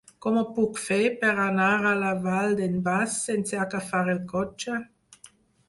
Com ho puc fer per anar a la Vall d'en Bas sense agafar el cotxe?